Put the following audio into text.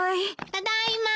ただいまー。